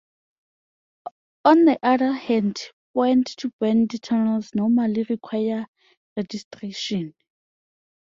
On the other hand, point-to-point tunnels normally require registration.